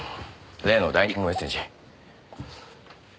例のダイイングメッセージ。